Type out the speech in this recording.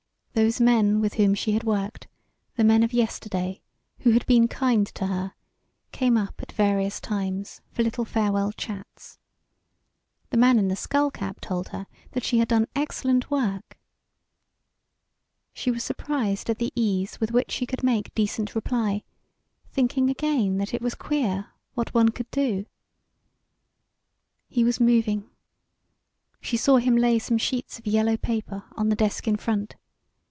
Those men with whom she had worked, the men of yesterday, who had been kind to her, came up at various times for little farewell chats. The man in the skull cap told her that she had done excellent work. She was surprised at the ease with which she could make decent reply, thinking again that it was queer what one could do. He was moving. She saw him lay some sheets of yellow paper on the desk in front.